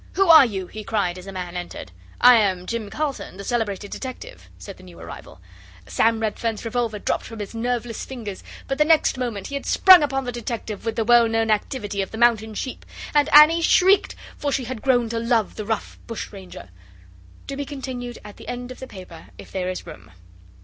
'Who are you?' he cried, as a man entered. 'I am Jim Carlton, the celebrated detective,' said the new arrival. Sam Redfern's revolver dropped from his nerveless fingers, but the next moment he had sprung upon the detective with the well known activity of the mountain sheep, and Annie shrieked, for she had grown to love the rough Bushranger. (To be continued at the end of the paper if there is room.)